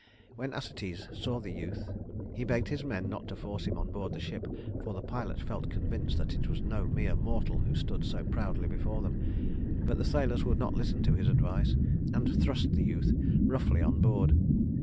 When Acetes saw the youth, he begged his men not to force him on board the ship, for the pilot felt convinced that it was no mere mortal who stood so proudly before them. But the sailors would not listen to his advice, and thrust the youth roughly on board.